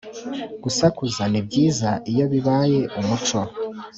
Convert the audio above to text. gusakuza ni byiza iyo bibaye umuco